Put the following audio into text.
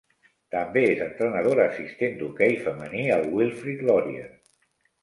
També és entrenadora assistent d'hoquei femení al Wilfrid Laurier.